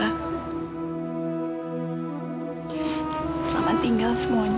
selamat tinggal semuanya